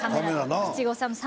七五三。